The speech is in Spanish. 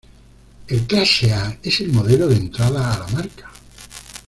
El Clase A es el modelo de entrada a la marca.